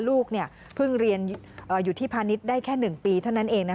ลูกเพิ่งเรียนอยู่ที่พาณิชย์ได้แค่๑ปีเท่านั้นเอง